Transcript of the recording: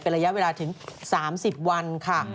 ระยะเวลาถึง๓๐วันค่ะ